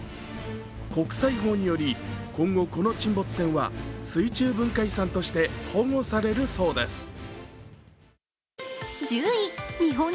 国際法により今後この沈没船は水中文化遺産として保護されるそうです。